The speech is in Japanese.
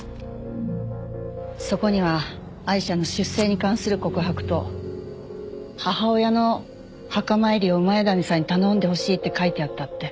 そこにはアイシャの出生に関する告白と母親の墓参りを谷さんに頼んでほしいって書いてあったって。